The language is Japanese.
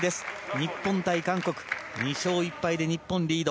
日本対韓国２勝１敗で日本がリード。